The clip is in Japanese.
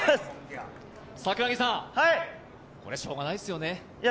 桜木さん、これはしようがないですよね。